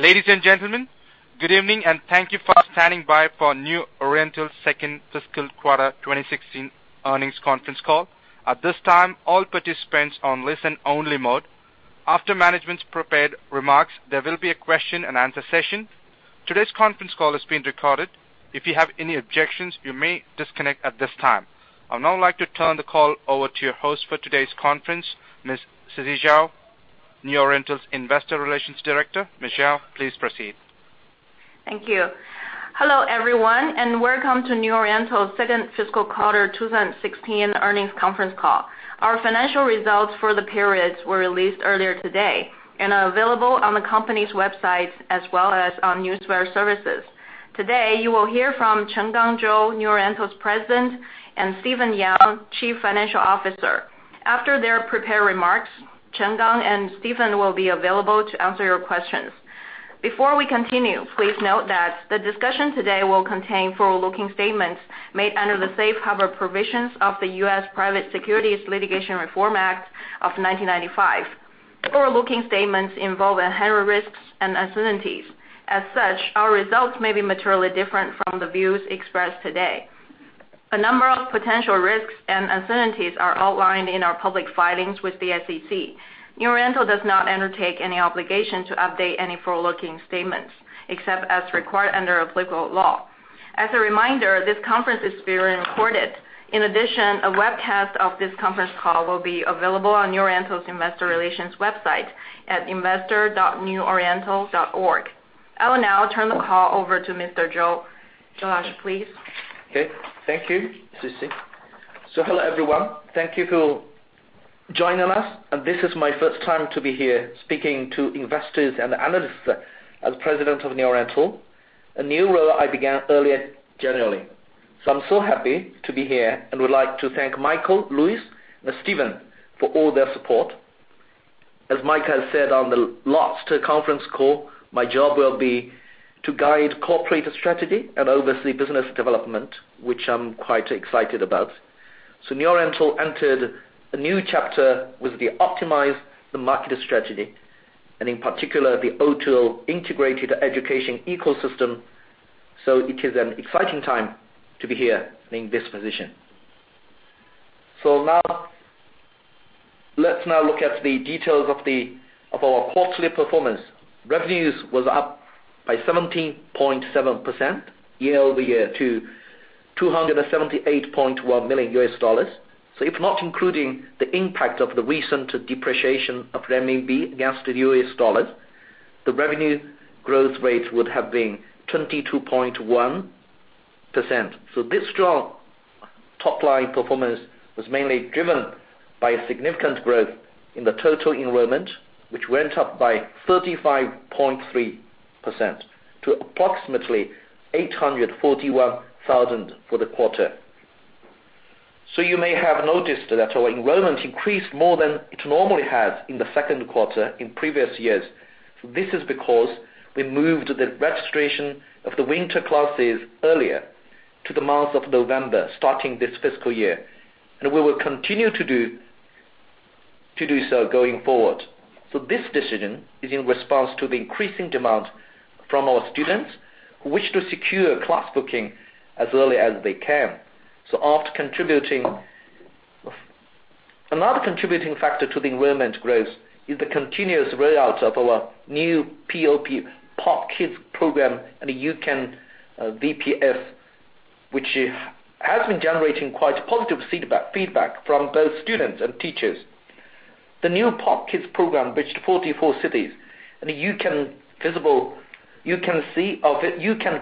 Ladies and gentlemen, good evening and thank you for standing by for New Oriental's second fiscal quarter 2016 earnings conference call. At this time, all participants on listen-only mode. After management's prepared remarks, there will be a question-and-answer session. Today's conference call is being recorded. If you have any objections, you may disconnect at this time. I would now like to turn the call over to your host for today's conference, Ms. Sisi Zhao, New Oriental's Investor Relations Director. Ms. Zhao, please proceed. Thank you. Hello, everyone, and welcome to New Oriental's second fiscal quarter 2016 earnings conference call. Our financial results for the periods were released earlier today and are available on the company's website as well as on news wire services. Today, you will hear from Chenggang Zhou, New Oriental's President, and Stephen Yang, Chief Financial Officer. After their prepared remarks, Chenggang and Steven will be available to answer your questions. Before we continue, please note that the discussion today will contain forward-looking statements made under the safe harbor provisions of the U.S. Private Securities Litigation Reform Act of 1995. Forward-looking statements involve inherent risks and uncertainties. As such, our results may be materially different from the views expressed today. A number of potential risks and uncertainties are outlined in our public filings with the SEC. New Oriental does not undertake any obligation to update any forward-looking statements, except as required under applicable law. As a reminder, this conference is being recorded. In addition, a webcast of this conference call will be available on New Oriental's investor relations website at investor.neworiental.org. I will now turn the call over to Mr. Zhou. Zhou, please. Okay. Thank you, Sisi. Hello, everyone. Thank you for joining us. This is my first time to be here speaking to investors and analysts as President of New Oriental, a new role I began earlier January. I'm so happy to be here and would like to thank Michael, Louis, and Steven for all their support. As Mike has said on the last conference call, my job will be to guide corporate strategy and oversee business development, which I'm quite excited about. New Oriental entered a new chapter with the optimized market strategy, and in particular, the O2O integrated education ecosystem. It is an exciting time to be here in this position. Now, let's now look at the details of our quarterly performance. Revenues was up by 17.7% year-over-year to $278.1 million. If not including the impact of the recent depreciation of renminbi against the US dollar, the revenue growth rate would have been 22.1%. This strong top-line performance was mainly driven by a significant growth in the total enrollment, which went up by 35.3% to approximately 841,000 for the quarter. You may have noticed that our enrollment increased more than it normally has in the second quarter in previous years. This is because we moved the registration of the winter classes earlier to the month of November, starting this fiscal year. We will continue to do so going forward. This decision is in response to the increasing demand from our students, who wish to secure class booking as early as they can. Another contributing factor to the enrollment growth is the continuous rollout of our new POP Kids program and the U-Can VPF, which has been generating quite positive feedback from both students and teachers. The new POP Kids program reached 44 cities, and U-Can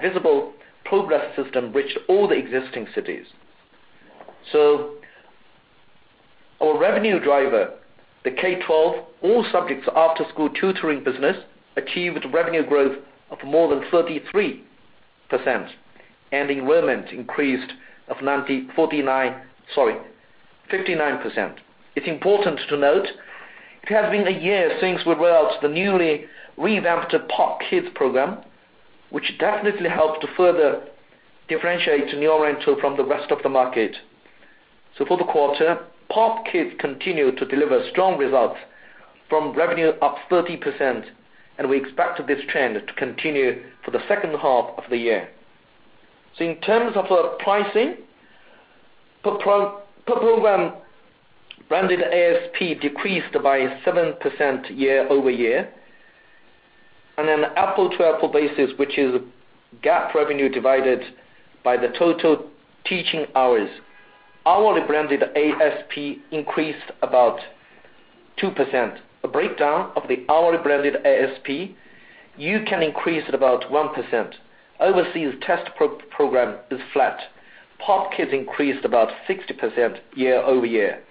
Visible Progress System reached all the existing cities. Our revenue driver, the K12 all subjects after-school tutoring business, achieved revenue growth of more than 33%, and enrollment increased of 59%. It is important to note, it has been a year since we rolled out the newly revamped POP Kids program, which definitely helped to further differentiate New Oriental from the rest of the market. For the quarter, POP Kids continued to deliver strong results from revenue up 30%, and we expect this trend to continue for the second half of the year. In terms of our pricing, per program branded ASP decreased by 7% year-over-year. On an apple-to-apple basis, which is GAAP revenue divided by the total teaching hours, hourly branded ASP increased about 2%. A breakdown of the hourly branded ASP, U-Can increased about 1%. Overseas test program is flat. POP Kids increased about 60% year-over-year.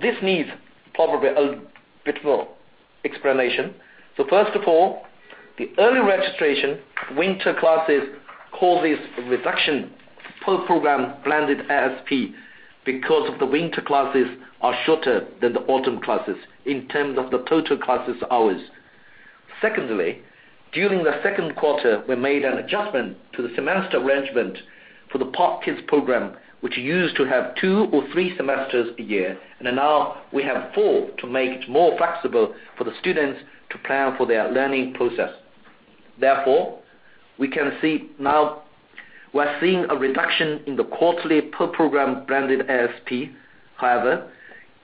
This needs probably a bit more explanation. First of all, the early registration winter classes causes a reduction per program branded ASP because the winter classes are shorter than the autumn classes in terms of the total classes hours. Secondly, during the second quarter, we made an adjustment to the semester arrangement for the POP Kids program, which used to have two or three semesters a year. Now we have four to make it more flexible for the students to plan for their learning process. Therefore, we can see now we are seeing a reduction in the quarterly per program branded ASP. However,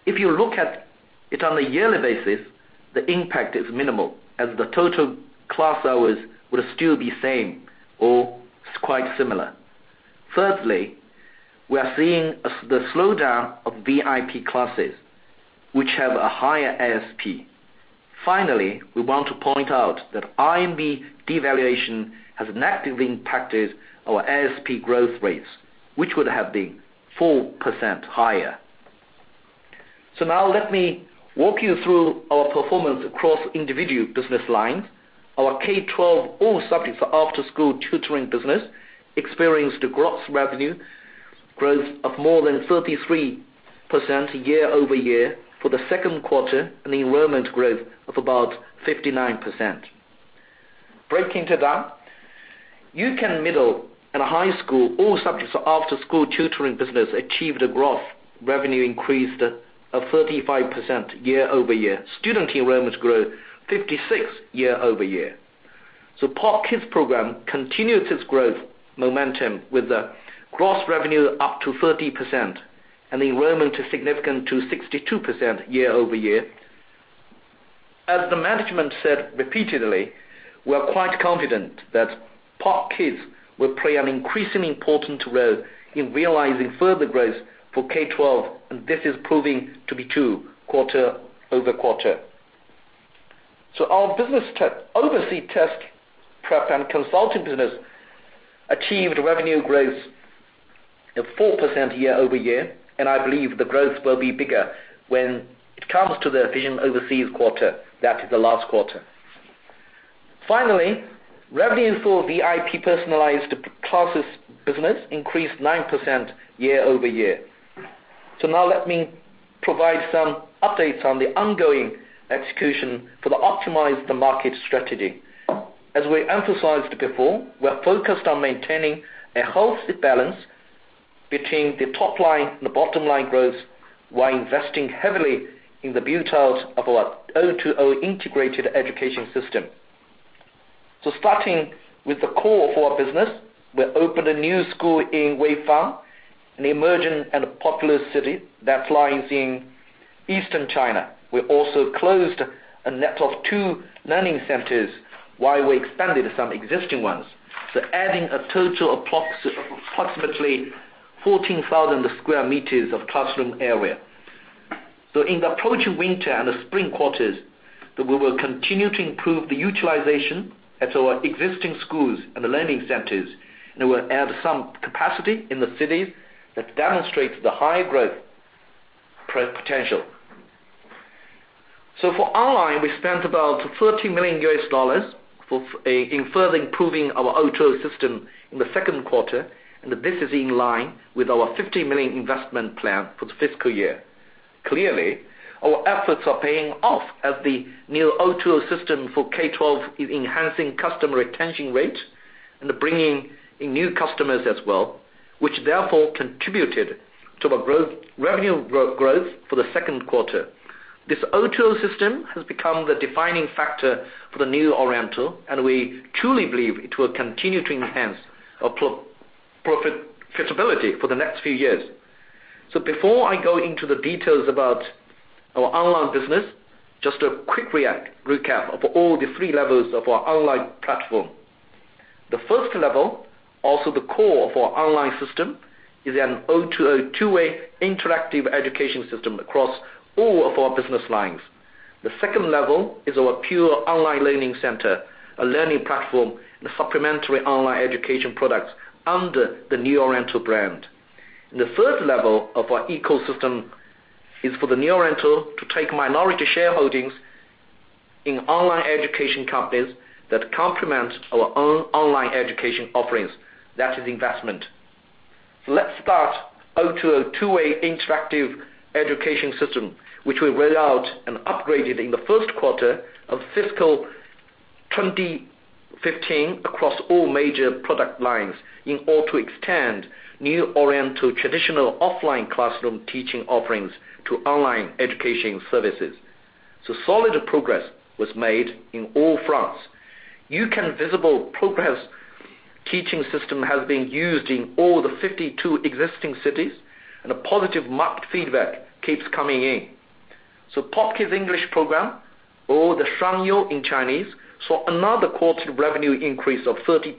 if you look at it on a yearly basis, the impact is minimal, as the total class hours would still be same or quite similar. Thirdly, we are seeing the slowdown of VIP classes, which have a higher ASP. Finally, we want to point out that RMB devaluation has negatively impacted our ASP growth rates, which would have been 4% higher. Now let me walk you through our performance across individual business lines. Our K12 all subjects after-school tutoring business experienced a gross revenue growth of more than 33% year-over-year for the second quarter, and enrollment growth of about 59%. Breaking that down, U-Can middle and high school, all subjects after-school tutoring business achieved a gross revenue increase of 35% year-over-year. Student enrollments grew 56% year-over-year. POP Kids program continued its growth momentum with the gross revenue up to 30%, and enrollment is significant to 62% year-over-year. As the management said repeatedly, we are quite confident that POP Kids will play an increasingly important role in realizing further growth for K12, and this is proving to be true quarter-over-quarter. Finally, revenue for VIP personalized classes business increased 9% year-over-year. Now let me provide some updates on the ongoing execution for the optimize the market strategy. As we emphasized before, we're focused on maintaining a healthy balance between the top line and the bottom line growth, while investing heavily in the build out of our O2O integrated education system. Starting with the core of our business, we opened a new school in Weifang, an emerging and populous city that lies in Eastern China. We also closed a net of two learning centers while we expanded some existing ones, adding a total approximately 14,000 square meters of classroom area. In the approaching winter and the spring quarters, we will continue to improve the utilization at our existing schools and the learning centers, and we will add some capacity in the cities that demonstrate the high growth potential. For online, we spent about $13 million for in further improving our O2O system in the second quarter, and this is in line with our $50 million investment plan for the fiscal year. Clearly, our efforts are paying off as the new O2O system for K12 is enhancing customer retention rate and bringing in new customers as well, which therefore contributed to our revenue growth for the second quarter. This O2O system has become the defining factor for the New Oriental, and we truly believe it will continue to enhance our profitability for the next few years. Before I go into the details about our online business, just a quick recap of all the 3 levels of our online platform. The first level, also the core of our online system, is an O2O two-way interactive education system across all of our business lines. The second level is our pure online learning center, a learning platform, and supplementary online education products under the New Oriental brand. The third level of our ecosystem is for the New Oriental to take minority shareholdings in online education companies that complement our own online education offerings. That is investment. Let's start O2O two-way interactive education system, which we rolled out and upgraded in the first quarter of fiscal 2015 across all major product lines in order to extend New Oriental traditional offline classroom teaching offerings to online education services. Solid progress was made in all fronts. U-Can Visible Progress teaching system has been used in all the 52 existing cities, and a positive market feedback keeps coming in. POP Kids English program, or the Shangyao in Chinese, saw another quarter revenue increase of 30%,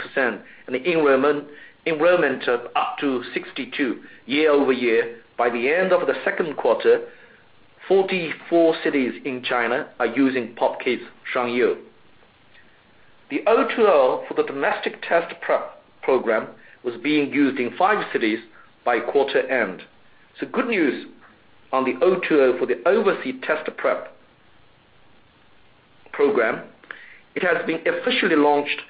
and enrollment up to 62% year-over-year. By the end of the second quarter, 44 cities in China are using POP Kids Shangyao. The O2O for the domestic test prep program was being used in five cities by quarter end. Good news on the O2O for the overseas test prep program. It has been officially launched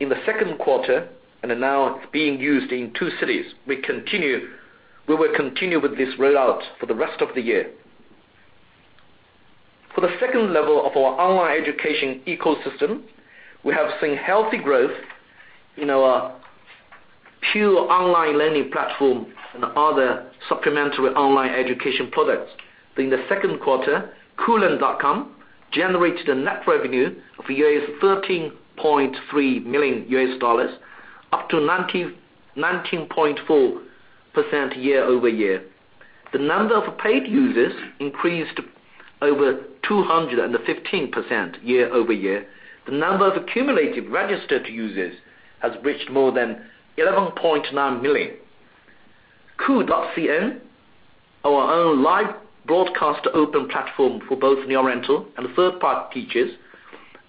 in the second quarter and now it's being used in two cities. We will continue with this rollout for the rest of the year. For the 2nd level of our online education ecosystem, we have seen healthy growth in our Pure online learning platform and other supplementary online education products. In the second quarter, koolearn.com generated a net revenue of $13.3 million, up to 19.4% year-over-year. The number of paid users increased over 215% year-over-year. The number of cumulative registered users has reached more than 11.9 million. Koo.cn, our own live broadcast open platform for both New Oriental and third-party teachers,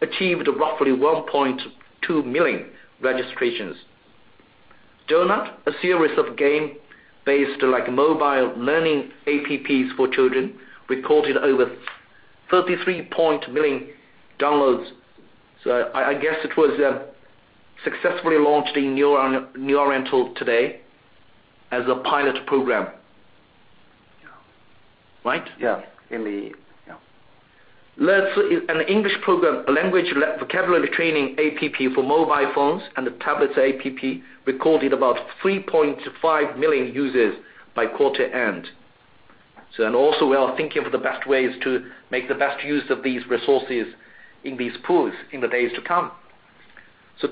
achieved roughly 1.2 million registrations. Donut, a series of game-based mobile learning apps for children, recorded over 33 million downloads. I guess it was successfully launched in New Oriental today as a pilot program. Yeah. Right? Yeah. An English program, a language vocabulary training app for mobile phones and a tablet app, recorded about 3.5 million users by quarter end. We are thinking of the best ways to make the best use of these resources in these pools in the days to come.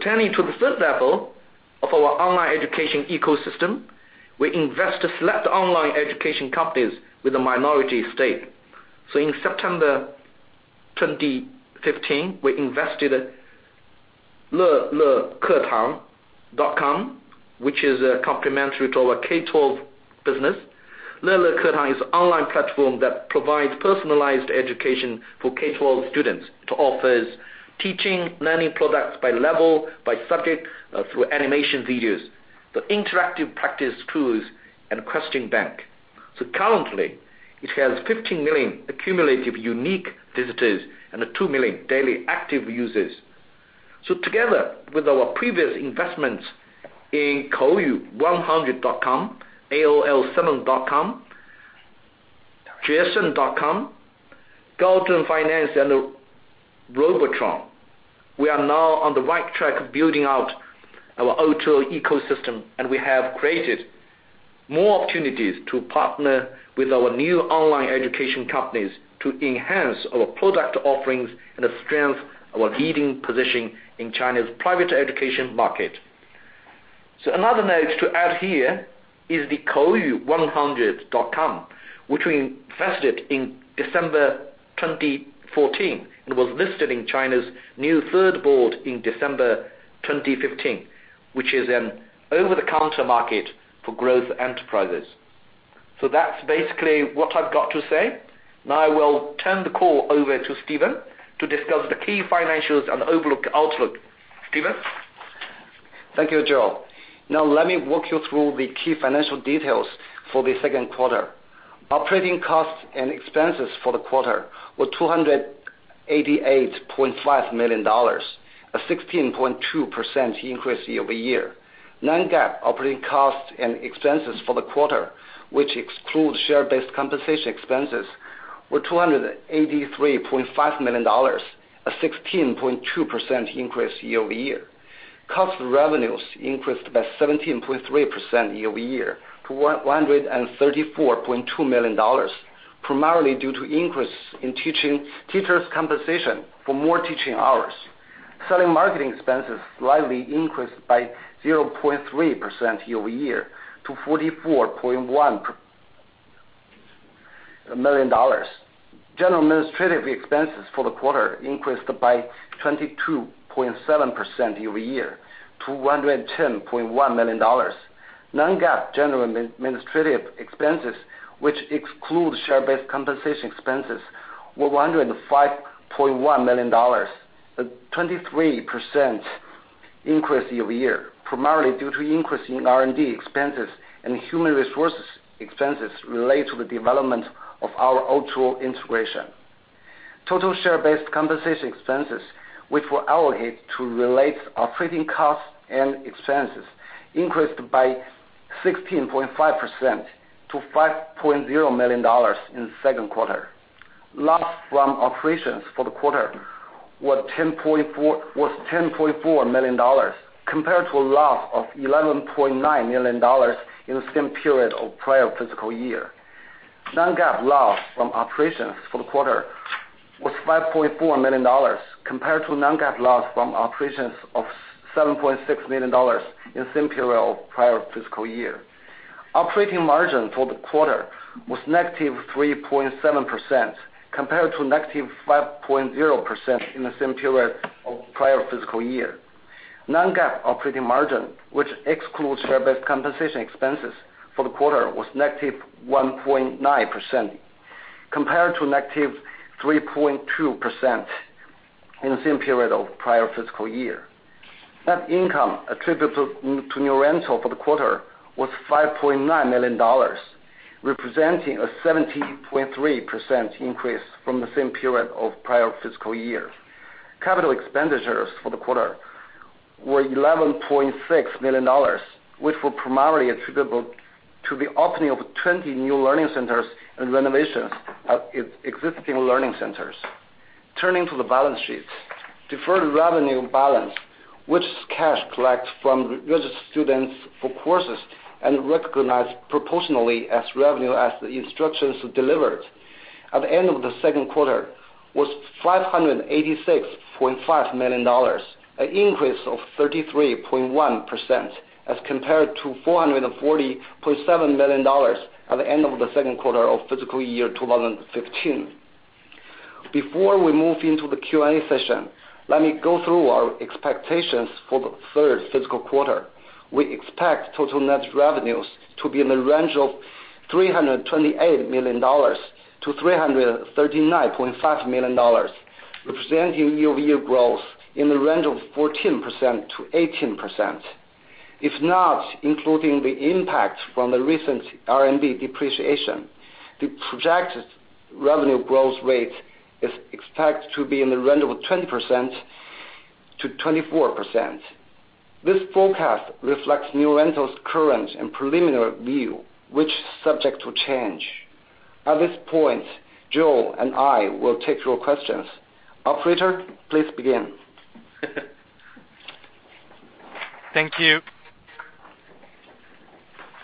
Turning to the 3rd level of our online education ecosystem, we invest in select online education companies with a minority stake. In September 2015, we invested in leleketang.com, which is complementary to our K12 business. Leleketang is an online platform that provides personalized education for K12 students. It offers teaching learning products by level, by subject, through animation videos, interactive practice tools, and a question bank. Currently, it has 15 million cumulative unique visitors and 2 million daily active users. Together with our previous investments in kouyu100.com, alo7.com, jason.com, Golden Finance, and Robotron, we are now on the right track building out our O2O ecosystem, and we have created more opportunities to partner with our new online education companies to enhance our product offerings and strengthen our leading position in China's private education market. Another note to add here is the kouyu100.com, which we invested in December 2014 and was listed in China's New Third Board in December 2015, which is an over-the-counter market for growth enterprises. That's basically what I've got to say. Now I will turn the call over to Stephen to discuss the key financials and outlook. Stephen? Thank you, Joe. Now let me walk you through the key financial details for the second quarter. Operating costs and expenses for the quarter were $288.5 million, a 16.2% increase year-over-year. Non-GAAP operating costs and expenses for the quarter, which excludes share-based compensation expenses, were $283.5 million, a 16.2% increase year-over-year. Cost of revenues increased by 17.3% year-over-year to $134.2 million, primarily due to increase in teachers' compensation for more teaching hours. Selling marketing expenses slightly increased by 0.3% year-over-year to $44.1 million. General administrative expenses for the quarter increased by 22.7% year-over-year to $110.1 million. Non-GAAP general administrative expenses, which excludes share-based compensation expenses, were $105.1 million, a 23% increase year-over-year, primarily due to increase in R&D expenses and human resources expenses related to the development of our O2O integration. Total share-based compensation expenses, which were allocated to relate operating costs and expenses, increased by 16.5% to $5.0 million in the second quarter. Loss from operations for the quarter was $10.4 million, compared to a loss of $11.9 million in the same period of prior fiscal year. Non-GAAP loss from operations for the quarter was $5.4 million, compared to non-GAAP loss from operations of $7.6 million in the same period of prior fiscal year. Operating margin for the quarter was negative 3.7%, compared to negative 5.0% in the same period of prior fiscal year. Non-GAAP operating margin, which excludes share-based compensation expenses for the quarter, was negative 1.9%, compared to negative 3.2% in the same period of prior fiscal year. Net income attributed to New Oriental for the quarter was $5.9 million, representing a 17.3% increase from the same period of prior fiscal year. Capital expenditures for the quarter were $11.6 million, which were primarily attributable to the opening of 20 new learning centers and renovations at existing learning centers. Turning to the balance sheet, deferred revenue balance, which is cash collected from registered students for courses and recognized proportionally as revenue as the instructions delivered, at the end of the second quarter, was $586.5 million, an increase of 33.1%, as compared to $440.7 million at the end of the second quarter of fiscal year 2015. Before we move into the Q&A session, let me go through our expectations for the third fiscal quarter. We expect total net revenues to be in the range of $328 million to $339.5 million, representing year-over-year growth in the range of 14%-18%. If not including the impact from the recent RMB depreciation, the projected revenue growth rate is expected to be in the range of 20%-24%. This forecast reflects New Oriental's current and preliminary view, which is subject to change. At this point, Joe and I will take your questions. Operator, please begin. Thank you.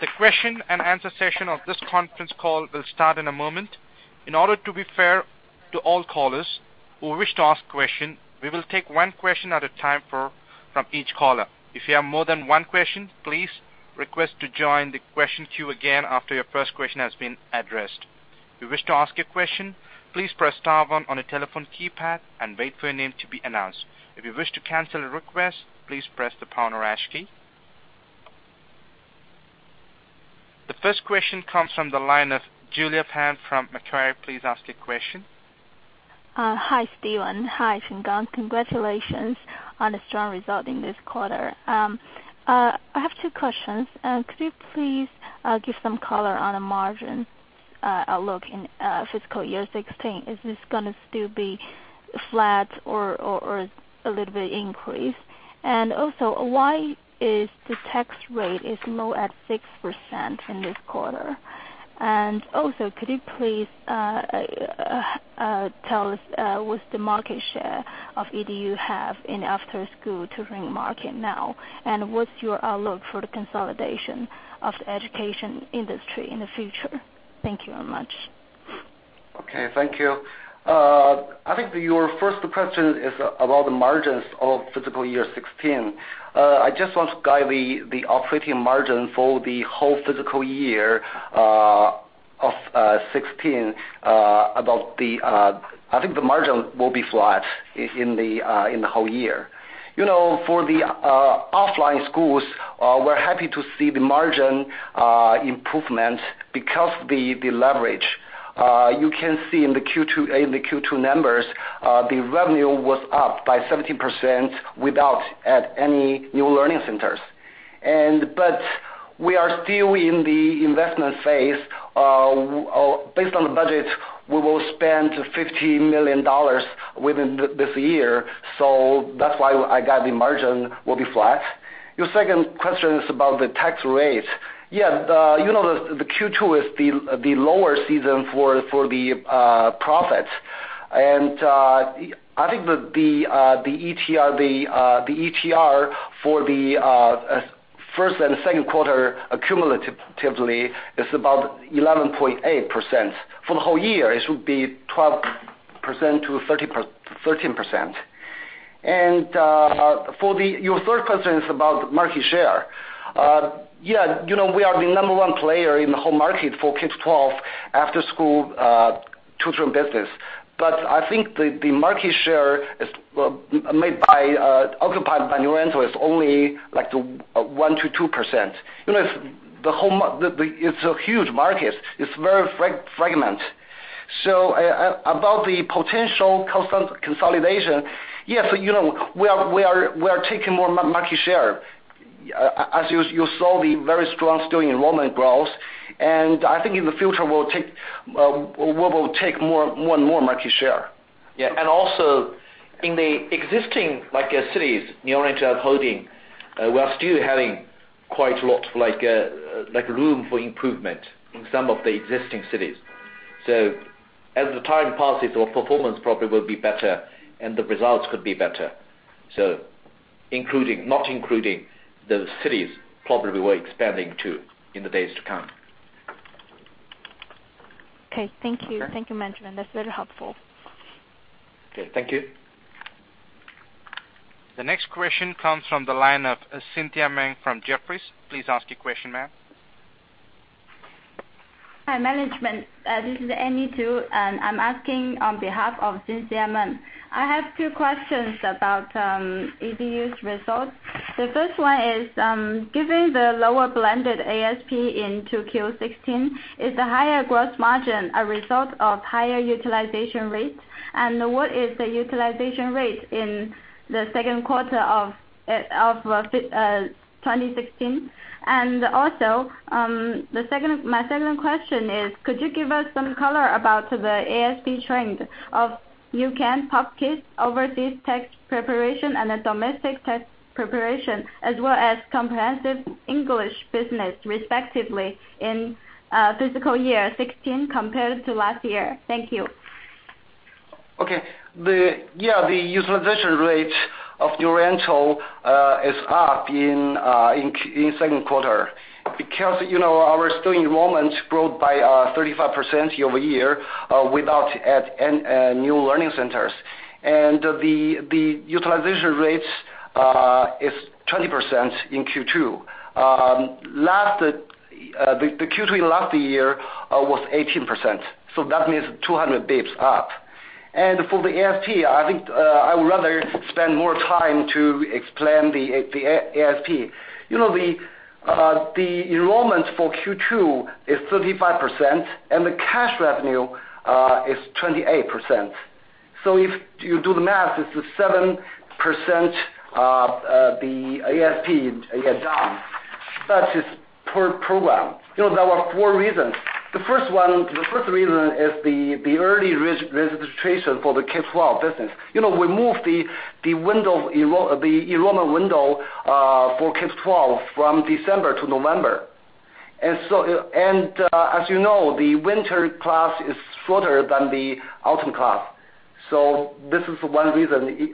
The question and answer session of this conference call will start in a moment. In order to be fair to all callers who wish to ask questions, we will take one question at a time from each caller. If you have more than one question, please request to join the question queue again after your first question has been addressed. If you wish to ask a question, please press star one on your telephone keypad and wait for your name to be announced. If you wish to cancel a request, please press the pound or hash key. The first question comes from the line of Julia Pan from Macquarie. Please ask your question. Hi, Stephen. Hi, Sheng Gang. Congratulations on a strong result in this quarter. I have two questions. Could you please give some color on the margin outlook in fiscal year 2016? Is this going to still be flat or a little bit increased? Why is the tax rate low at 6% in this quarter? Could you please tell us what the market share of EDU have in after-school tutoring market now? What's your outlook for the consolidation of the education industry in the future? Thank you very much. Okay. Thank you. I think your first question is about the margins of fiscal year 2016. I just want to guide the operating margin for the whole fiscal year of 2016. I think the margin will be flat in the whole year. For the offline schools, we're happy to see the margin improvement because of the leverage. You can see in the Q2 numbers, the revenue was up by 70% without adding any new learning centers. We are still in the investment phase. Based on the budget, we will spend $50 million within this year, that's why I guide the margin will be flat. Your second question is about the tax rate. Yeah, you know the Q2 is the lower season for the profits, and I think that the ETR for the first and second quarter cumulatively is about 11.8%. For the whole year, it should be 12%-13%. Your third question is about market share. Yeah, we are the number one player in the whole market for K12 after-school tutoring business. I think the market share occupied by New Oriental is only 1%-2%. It's a huge market. It's very fragment. About the potential consolidation, yes, we are taking more market share, as you saw the very strong student enrollment growth. I think in the future, we'll take more and more market share. Also in the existing cities New Oriental is holding, we are still having quite a lot room for improvement in some of the existing cities. As time passes, our performance probably will be better and the results could be better. Not including the cities probably we're expanding to in the days to come. Okay. Thank you. Okay. Thank you, management. That's very helpful. Okay. Thank you. The next question comes from the line of Cynthia Meng from Jefferies. Please ask your question, ma'am. Hi, management. This is Annie Tu, and I am asking on behalf of Cynthia Meng. I have two questions about EDU's results. The first one is, given the lower blended ASP into Q16, is the higher gross margin a result of higher utilization rates? What is the utilization rate in the second quarter of 2016? My second question is, could you give us some color about the ASP trend of U-Can, POP Kids, overseas test preparation, and domestic test preparation, as well as comprehensive English business, respectively, in fiscal year 2016 compared to last year? Thank you. Okay. Yeah, the utilization rate of New Oriental is up in second quarter because our student enrollment grew by 35% year-over-year without adding new learning centers. The utilization rate is 20% in Q2. The Q2 last year was 18%, that means 200 basis points up. For the ASP, I think I would rather spend more time to explain the ASP. The enrollment for Q2 is 35%, and the cash revenue is 28%. If you do the math, it is 7% of the ASP down. That is per program. There were four reasons. The first reason is the early registration for the K12 business. We moved the enrollment window for K12 from December to November. As you know, the winter class is shorter than the autumn class. This is one reason,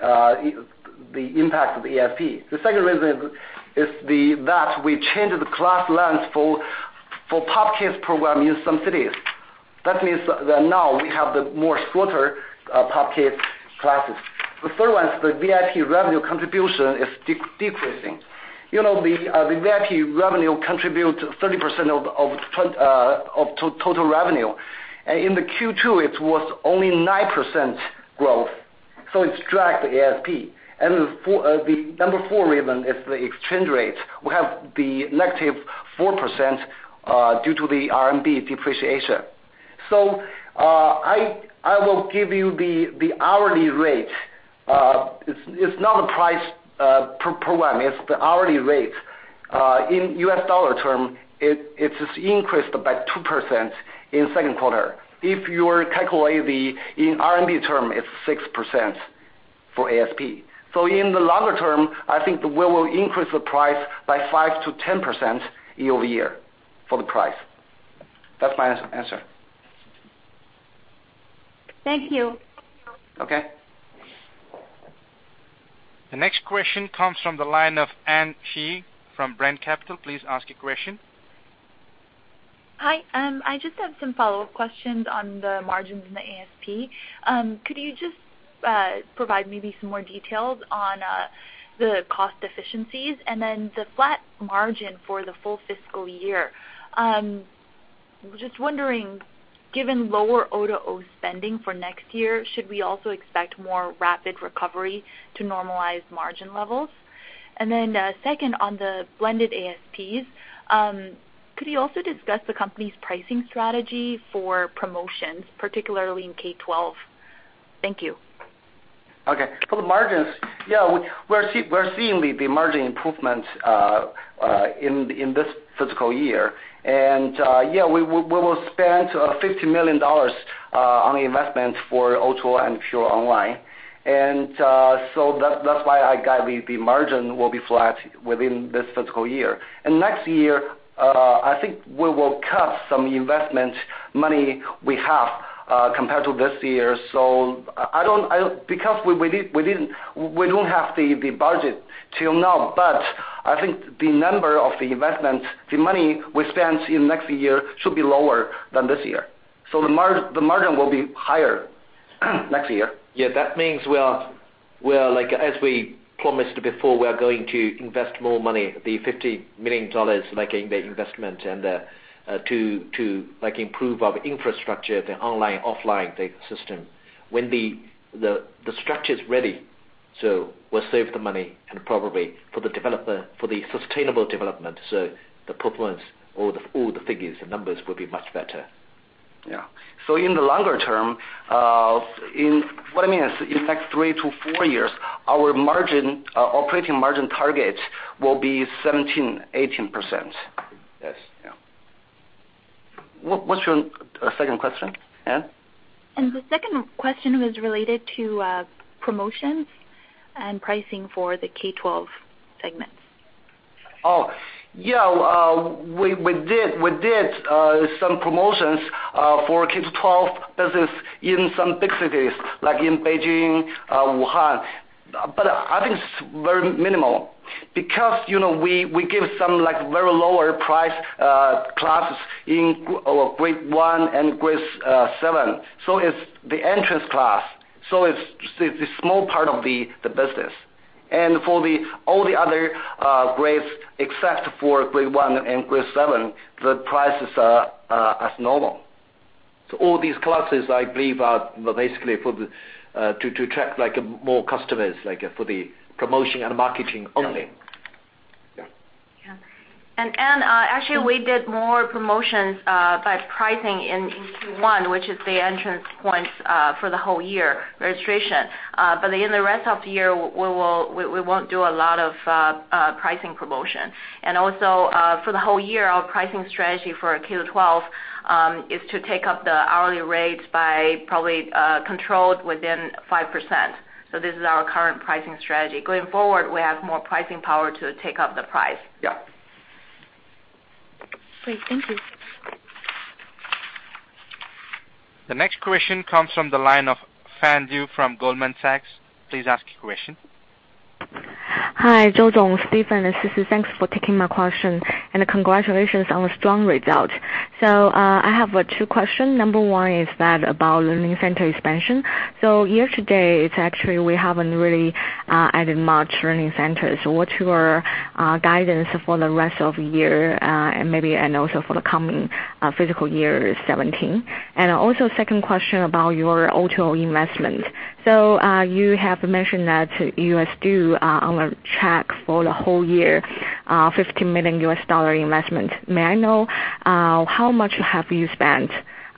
the impact of ASP. The second reason is that we changed the class length for POP Kids program in some cities. That means that now we have the more shorter POP Kids classes. The third one is the VIP revenue contribution is decreasing. The VIP revenue contributes 30% of total revenue. In the Q2, it was only 9% growth, it dragged the ASP. The number four reason is the exchange rate. We have the negative 4% due to the RMB depreciation. I will give you the hourly rate. It is not the price per program, it is the hourly rate. In US dollar term, it is increased by 2% in second quarter. If you calculate in RMB term, it is 6% for ASP. In the longer term, I think we will increase the price by 5%-10% year-over-year for the price. That's my answer. Thank you. Okay. The next question comes from the line of Anne Shi from Brent Capital. Please ask your question. Hi. I just had some follow-up questions on the margins in the ASP. Could you just provide maybe some more details on the cost efficiencies and then the flat margin for the full fiscal year? Just wondering, given lower O2O spending for next year, should we also expect more rapid recovery to normalize margin levels? Second on the blended ASPs, could you also discuss the company's pricing strategy for promotions, particularly in K12? Thank you. Okay. For the margins, yeah, we're seeing the margin improvements in this fiscal year. Yeah, we will spend $50 million on investment for O2O and pure online. That's why I guide the margin will be flat within this fiscal year. Next year, I think we will cut some investment money we have compared to this year. We don't have the budget till now, but I think the number of the investment, the money we spend in next year should be lower than this year. The margin will be higher next year. That means as we promised before, we are going to invest more money, the CNY 50 million, making the investment and to improve our infrastructure, the online, offline system. When the structure's ready, we'll save the money and probably for the sustainable development, the performance, all the figures, the numbers will be much better. In the longer term, what I mean is in next three to four years, our operating margin targets will be 17%-18%. Yes. What's your second question, Anne? The second question was related to promotions and pricing for the K12 segments. Yeah, we did some promotions for K12 business in some big cities, like in Beijing, Wuhan. I think it's very minimal because we give some very lower price classes in grade 1 and grade 7, it's the entrance class. It's the small part of the business. For all the other grades except for grade 1 and grade 7, the prices are as normal. All these classes, I believe, are basically to attract more customers, for the promotion and marketing only. Yeah. Yeah, Anne, actually, we did more promotions by pricing in Q1, which is the entrance point for the whole year registration. In the rest of the year, we won't do a lot of pricing promotion. Also, for the whole year, our pricing strategy for K12 is to take up the hourly rates by probably controlled within 5%. This is our current pricing strategy. Going forward, we have more pricing power to take up the price. Yeah. Great. Thank you. The next question comes from the line of Fan Yu from Goldman Sachs. Please ask your question. Hi, Chenggang Zhou, Stephen, and Sisi. Thanks for taking my question, and congratulations on the strong result. I have two questions. Number one is about learning center expansion. Year-to-date, actually, we haven't really added much learning centers. What's your guidance for the rest of the year, and maybe also for the coming fiscal year 2017? Second question about your O2O investment. You have mentioned that you are still on track for the whole year, $15 million investment. May I know how much have you spent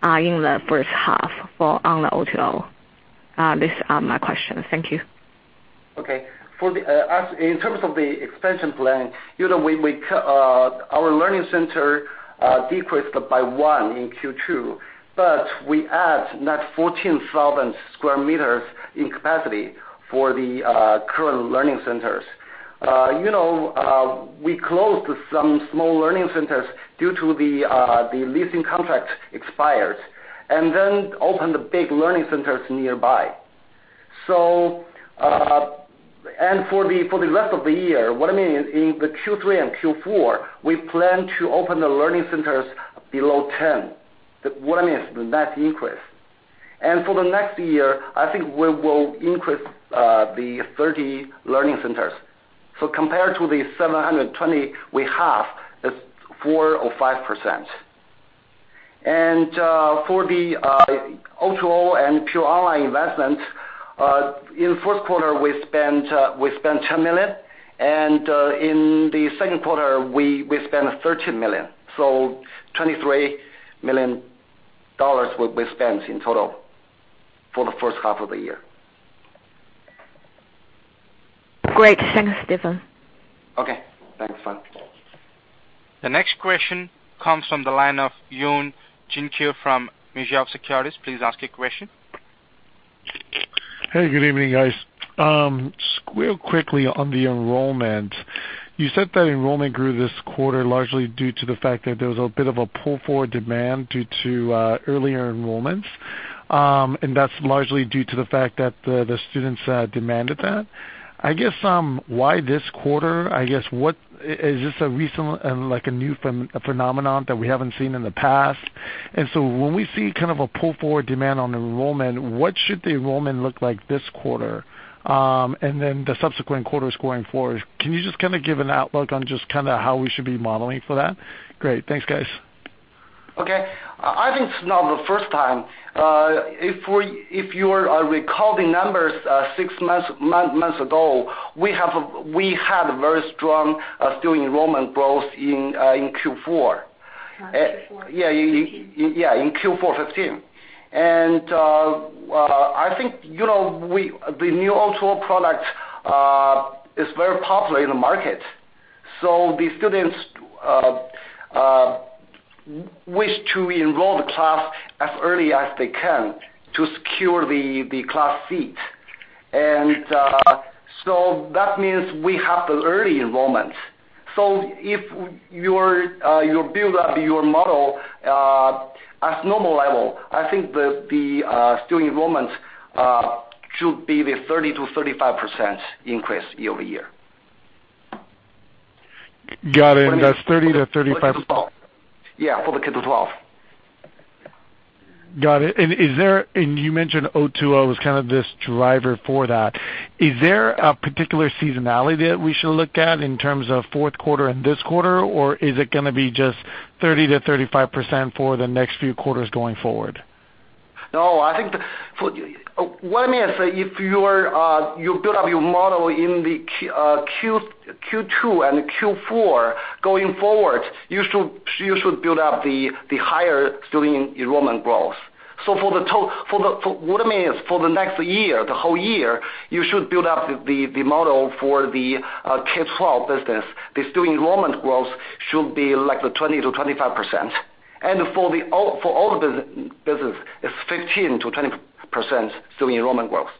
in the first half on the O2O? These are my questions. Thank you. Okay. In terms of the expansion plan, our learning center decreased by one in Q2, but we added net 14,000 sq m in capacity for the current learning centers. We closed some small learning centers due to the leasing contract expired, opened big learning centers nearby. For the rest of the year, what I mean is, in the Q3 and Q4, we plan to open the learning centers below 10. What I mean is the net increase. For the next year, I think we will increase the 30 learning centers. Compared to the 720 we have, it's 4% or 5%. For the O2O and pure online investment, in the first quarter we spent $10 million, and in the second quarter we spent $13 million. $23 million we spent in total for the first half of the year. Great. Thanks, Stephen. Okay. Thanks, Fan. The next question comes from the line of Yoon Jin-kyu from Mirae Asset Securities. Please ask your question. Hey, good evening, guys. Real quickly on the enrollment. You said that enrollment grew this quarter largely due to the fact that there was a bit of a pull-forward demand due to earlier enrollments, and that's largely due to the fact that the students demanded that. I guess, why this quarter? I guess, is this a recent and a new phenomenon that we haven't seen in the past? When we see kind of a pull-forward demand on enrollment, what should the enrollment look like this quarter, and then the subsequent quarters going forward? Can you just kind of give an outlook on just kind of how we should be modeling for that? Great. Thanks, guys. Okay. I think it's not the first time. If you recall the numbers six months ago, we had very strong student enrollment growth in Q4. Q4 2015. Yeah, in Q4 2015. I think, the new O2O product is very popular in the market. The students wish to enroll the class as early as they can to secure the class seat. That means we have the early enrollment. If you build up your model at normal level, I think the student enrollment should be the 30%-35% increase year-over-year. Got it. That's 30%-35%. Yeah, for the K to 12. Got it. You mentioned O2O as kind of this driver for that. Is there a particular seasonality that we should look at in terms of fourth quarter and this quarter, or is it going to be just 30%-35% for the next few quarters going forward? No. What I mean is, if you build up your model in the Q2 and Q4 going forward, you should build up the higher student enrollment growth. What I mean is, for the next year, the whole year, you should build up the model for the K-12 business. The student enrollment growth should be like 20%-25%. For all the business, it's 15%-20% student enrollment growth.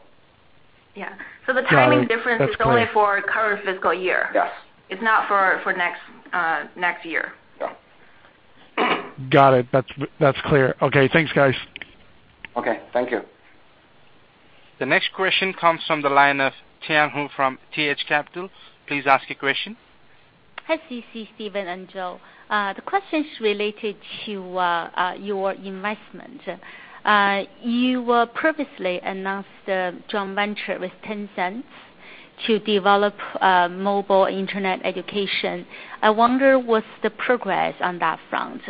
Yeah. The timing difference. Got it. That's clear. This is only for current fiscal year. Yes. It's not for next year. Yeah. Got it. That's clear. Okay, thanks, guys. Okay, thank you. The next question comes from the line of Tian Hou from TH Capital. Please ask your question. Hi, Sisi, Stephen, and Joe. The question is related to your investment. You previously announced a joint venture with Tencent to develop mobile internet education. I wonder what's the progress on that front.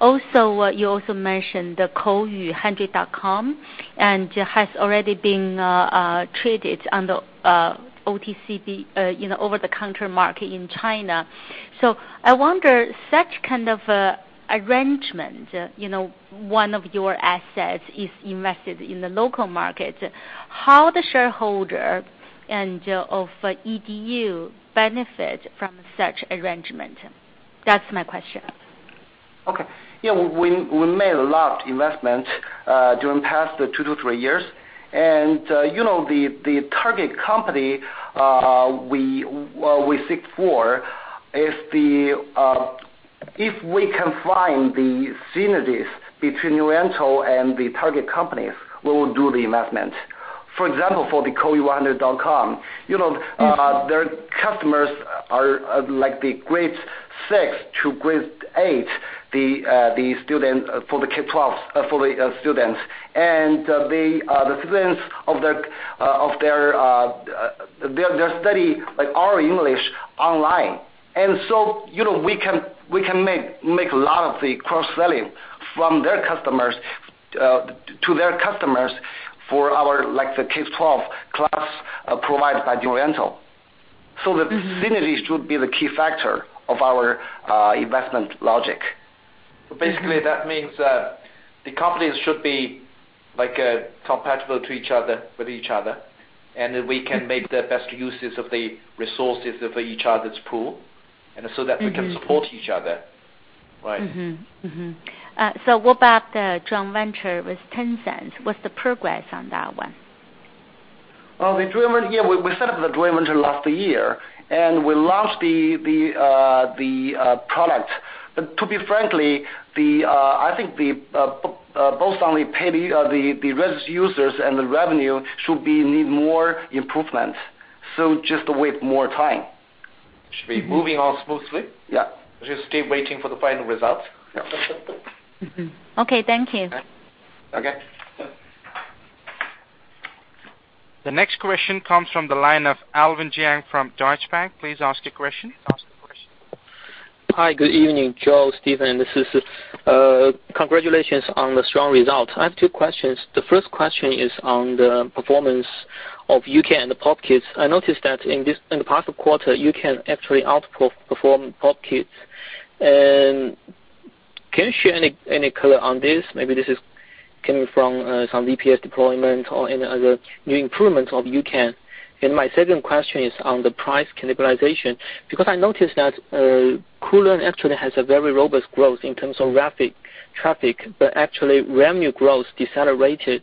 Also, you also mentioned the kouyu100.com, and has already been traded on the OTCB, over-the-counter market in China. I wonder, such kind of arrangement, one of your assets is invested in the local market, how the shareholder of EDU benefit from such arrangement? That's my question. Okay. Yeah, we made a lot of investment during the past two to three years. The target company we seek for is, if we can find the synergies between New Oriental and the target company, we will do the investment. For example, for the kouyu100.com, their customers are like the grade 6 to grade 8, the students for the K12 students. The students, they study our English online. So, we can make a lot of the cross-selling to their customers for our K12 class provided by New Oriental. The synergies should be the key factor of our investment logic. Basically, that means that the companies should be compatible with each other, then we can make the best uses of the resources of each other's pool, so that we can support each other. Right? What about the joint venture with Tencent? What's the progress on that one? Yeah, we set up the joint venture last year, and we launched the product. To be frankly, I think both on the registered users and the revenue should need more improvement, just wait more time. Should be moving on smoothly. Yeah. Just keep waiting for the final results. Yeah. Okay, thank you. Okay. Yeah. The next question comes from the line of Alvin Jiang from Deutsche Bank. Please ask your question. Hi, good evening, Joe, Stephen. Congratulations on the strong results. I have two questions. The first question is on the performance of U-Can and the POP Kids. I noticed that in the past quarter, U-Can actually outperformed POP Kids. Can you share any color on this? Maybe this is coming from some VPS deployment or any other new improvements of U-Can. My second question is on the price cannibalization, because I noticed that Koolearn actually has a very robust growth in terms of traffic, but actually revenue growth decelerated.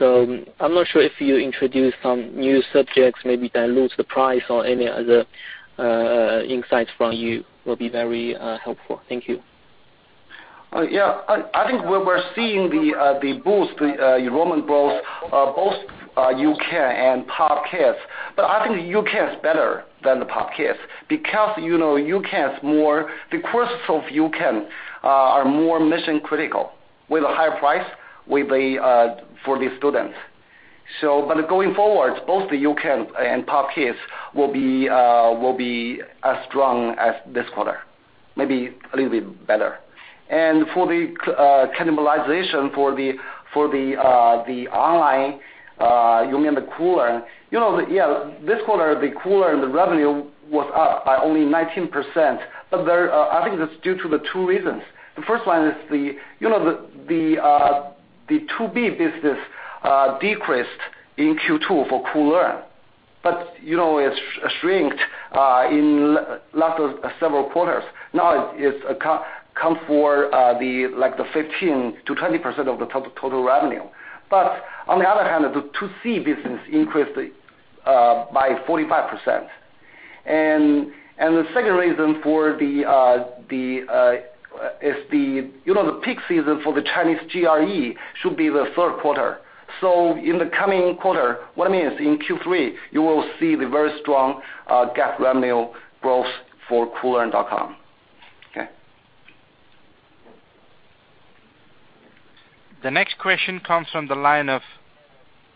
I'm not sure if you introduced some new subjects, maybe dilute the price or any other insights from you will be very helpful. Thank you. Yeah. I think we're seeing the enrollment growth, both U-Can and POP Kids. I think U-Can is better than the POP Kids because the courses of U-Can are more mission-critical, with a higher price for the students. Going forward, both the U-Can and POP Kids will be as strong as this quarter, maybe a little bit better. For the cannibalization for the online, you mean the Koolearn. Yeah, this quarter, the Koolearn, the revenue was up by only 19%, but I think that's due to the two reasons. The first one is the To B business decreased in Q2 for Koolearn. It's shrinked in last several quarters. Now it comes for the 15%-20% of the total revenue. On the other hand, the To C business increased by 45%. The second reason is the peak season for the Chinese GRE should be the third quarter. In the coming quarter, what I mean is in Q3, you will see the very strong GAAP revenue growth for koolearn.com. Okay. The next question comes from the line of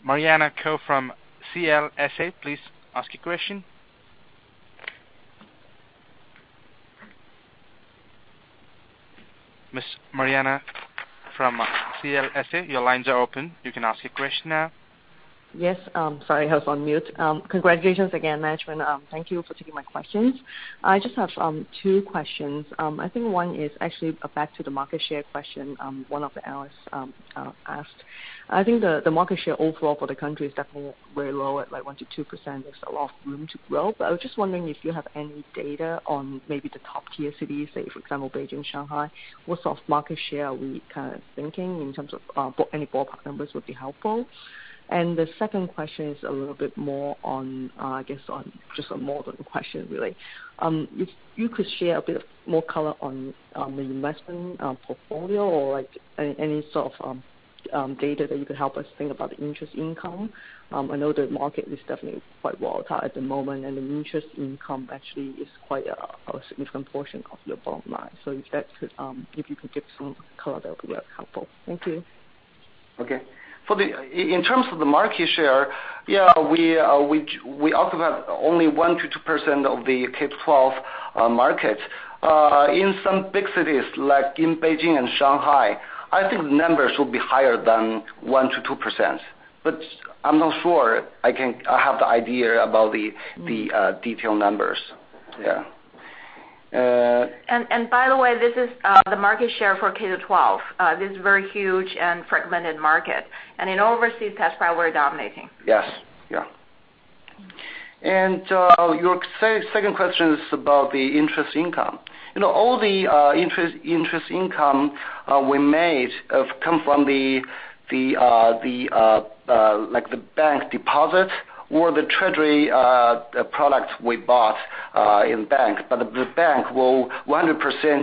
Mariana Kou from CLSA. Please ask your question. Ms. Mariana from CLSA, your lines are open. You can ask your question now. I know the market is definitely quite volatile at the moment. The interest income actually is quite a significant portion of your bottom line. If you could give some color, that would be very helpful. Thank you. I know the market is definitely quite volatile at the moment, and the interest income actually is quite a significant portion of your bottom line. If you could give some color, that would be very helpful. Thank you. Okay. In terms of the market share, yeah, we occupy only 1%-2% of the K-12 market. In some big cities, like in Beijing and Shanghai, I think the numbers will be higher than 1%-2%, but I'm not sure I have the idea about the detailed numbers. Yeah. By the way, this is the market share for K-12. This is a very huge and fragmented market, in overseas, TestPrep we're dominating. Yes. Yeah. Your second question is about the interest income. All the interest income we made come from the bank deposit or the treasury products we bought in banks. The bank will 100%.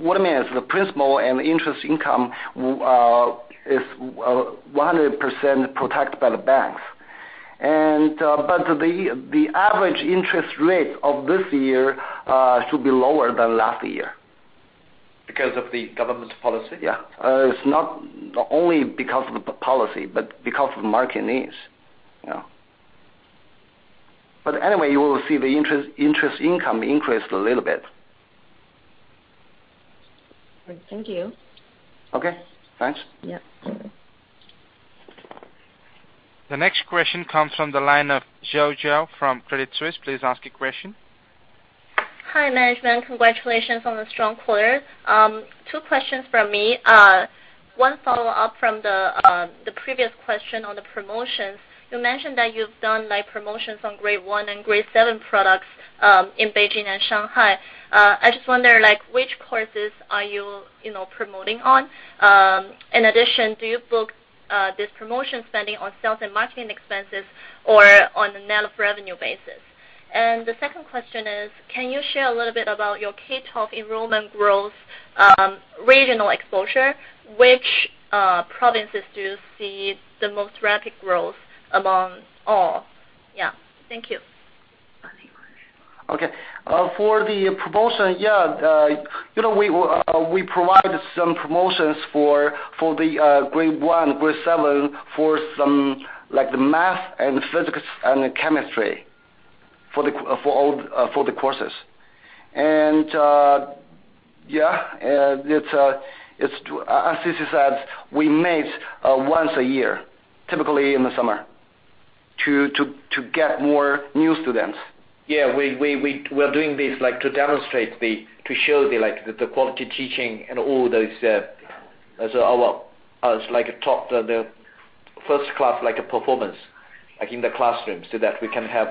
What I mean is, the principal and interest income is 100% protected by the banks. The average interest rate of this year should be lower than last year. Because of the government policy? Yeah. It's not only because of the policy, but because of the market needs. Yeah. Anyway, you will see the interest income increased a little bit. Great. Thank you. Okay. Thanks. Yeah. The next question comes from the line of Chou Chou from Credit Suisse. Please ask your question. Hi, management. Congratulations on the strong quarter. Two questions from me. One follow-up from the previous question on the promotions. You mentioned that you've done promotions on Grade 1 and Grade 7 products in Beijing and Shanghai. I just wonder which courses are you promoting on? In addition, do you book this promotion spending on sales and marketing expenses, or on a net of revenue basis? The second question is: Can you share a little bit about your K12 enrollment growth regional exposure? Which provinces do you see the most rapid growth among all? Thank you. Okay. For the promotion, we provided some promotions for the Grade 1, Grade 7 for the math and physics and the chemistry for the courses. As Sisi said, we made a once a year, typically in the summer, to get more new students. We're doing this to demonstrate, to show the quality teaching and all those as our top, the first-class performance in the classrooms, so that we can have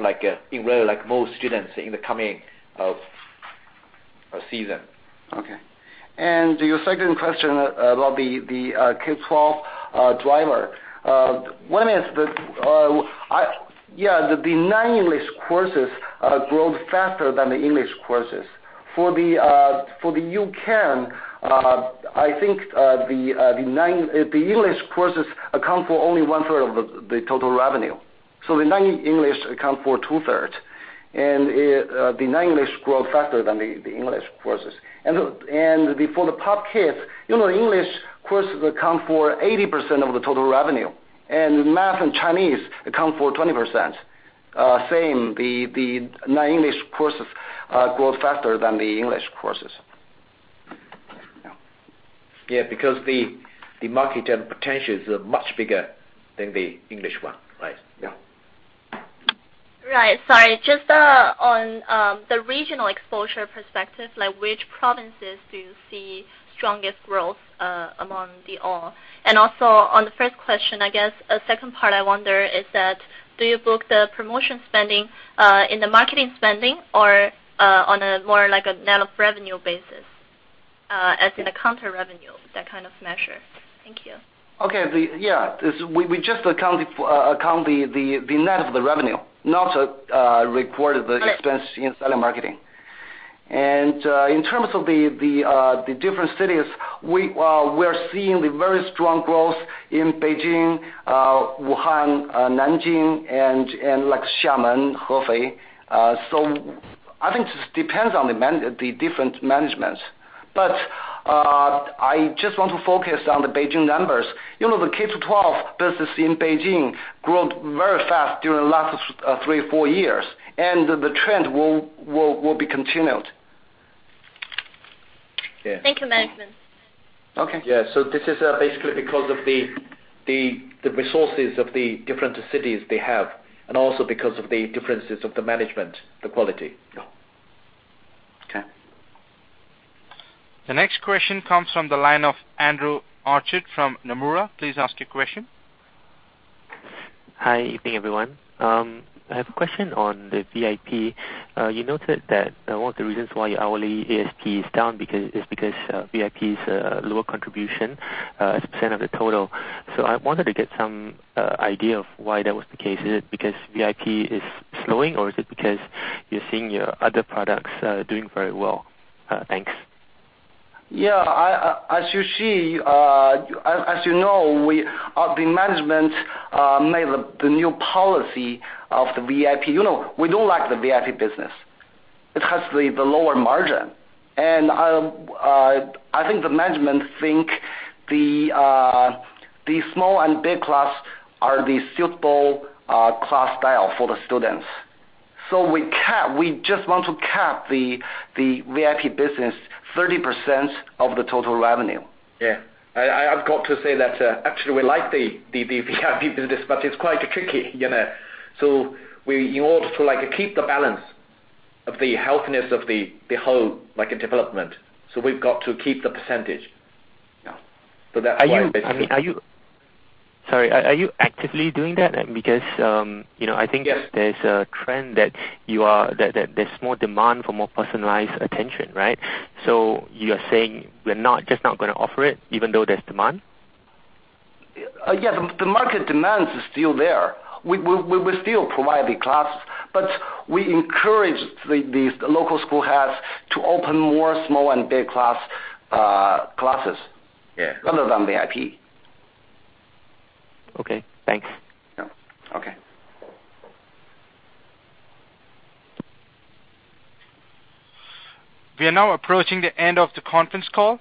more students in the coming season. Okay. Your second question about the K12 driver. One is that, the non-English courses grow faster than the English courses. For the U-Can, I think the English courses account for only one third of the total revenue. The non-English account for two-third. The non-English grow faster than the English courses. Before the POP Kids, English courses account for 80% of the total revenue, and math and Chinese account for 20%. Same, the non-English courses grow faster than the English courses. Yeah, because the market potential is much bigger than the English one, right? Yeah. Right. Sorry, just on the regional exposure perspective, which provinces do you see strongest growth among the all? Also on the first question, I guess, second part I wonder is that, do you book the promotion spending in the marketing spending or on a more like a net of revenue basis, as in a counter revenue, that kind of measure? Thank you. Okay. Yeah. We just account the net of the revenue, not record the expense in selling and marketing. In terms of the different cities, we're seeing the very strong growth in Beijing, Wuhan, Nanjing, and Xiamen, Hefei. I think it just depends on the different managements. I just want to focus on the Beijing numbers. The K12 business in Beijing grew very fast during the last three or four years, and the trend will be continued. Yeah. Thank you, management. Okay. Yeah. This is basically because of the resources of the different cities they have, and also because of the differences of the management, the quality. Yeah. Okay. The next question comes from the line of Andrew Orchard from Nomura. Please ask your question. Hi. Good evening, everyone. I have a question on the VIP. You noted that one of the reasons why your hourly ASP is down is because VIP is a lower contribution as a % of the total. I wanted to get some idea of why that was the case. Is it because VIP is slowing, or is it because you're seeing your other products doing very well? Thanks. Yeah. As you know, the management made the new policy of the VIP. We don't like the VIP business. It has the lower margin. I think the management think the small and big class are the suitable class style for the students. We just want to cap the VIP business 30% of the total revenue. Yeah. I've got to say that actually we like the VIP business, it's quite tricky. In order to keep the balance of the healthiness of the whole development, so we've got to keep the percentage. Yeah. That's why- Sorry. Are you actively doing that? Because- Yes I think there's a trend that there's more demand for more personalized attention, right? You are saying we're just not going to offer it even though there's demand? Yeah. The market demand is still there. We still provide the classes, but we encourage the local school heads to open more small and big classes. Yeah. Other than VIP. Okay. Thanks. Yeah. Okay. We are now approaching the end of the conference call.